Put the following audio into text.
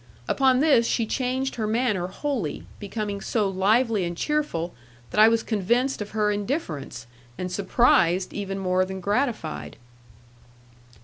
Upon this she changed her manner wholly, becoming so lively and cheerful that I was convinced of her indifference, and surprised even more than gratified.